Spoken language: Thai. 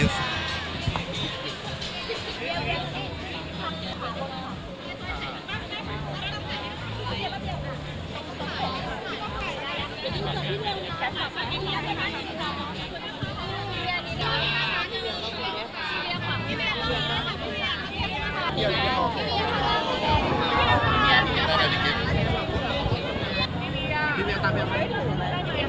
สวัสดีครับสวัสดีครับ